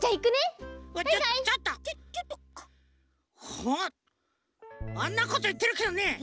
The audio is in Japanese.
ほっあんなこといってるけどね